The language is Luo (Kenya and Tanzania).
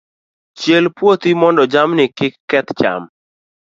Chiel puothi mondo jamni kik keth cham.